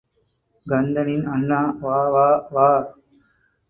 கந்தனின் அண்ணா, வா வா வா.